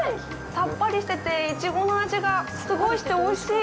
さっぱりしててイチゴの味がすごいしておいしい。